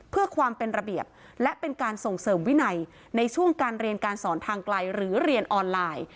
เพื่อความเป็นระเบียบและเป็นการส่งเสริมวินัยในช่วงการเรียนการสอนทางไกลหรือเรียนออนไลน์